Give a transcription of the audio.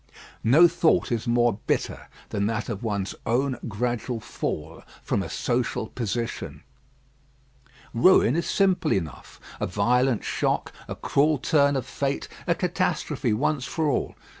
No thought is more bitter than that of one's own gradual fall from a social position. Ruin is simple enough. A violent shock; a cruel turn of fate; a catastrophe once for all.